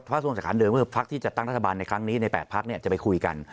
ภาคร่วมฝ่ายค้านเดินว่าภาคที่จะตั้งรัฐบาลในครั้งนี้ในแปดภาคเนี่ยจะไปคุยกัน